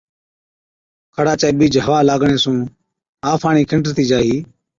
کڙا چَي ٻِيج هوا لاگڻي سُون آڦاڻهِين کِنڊرتِي جاهِي۔